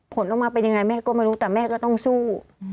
ผลออกมาเป็นยังไงแม่ก็ไม่รู้แต่แม่ก็ต้องสู้